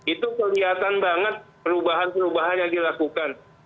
itu kelihatan banget perubahan perubahan yang dilakukan